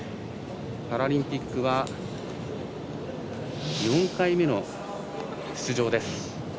パラリンピックは４回目の出場です。